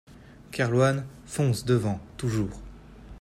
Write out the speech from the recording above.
Kerlouan, Fonce Devant Toujours.